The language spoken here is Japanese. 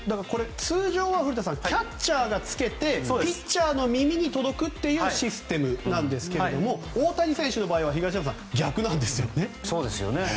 通常は古田さんキャッチャーがつけてピッチャーの耳に届くシステムなんですけど大谷選手の場合は、東山さんそうなんですよね。